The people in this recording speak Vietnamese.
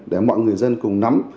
để mọi người dân cùng nắm